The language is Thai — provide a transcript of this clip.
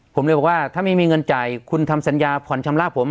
ผมเลยบอกว่าถ้าไม่มีเงินจ่ายคุณทำสัญญาผ่อนชำระผม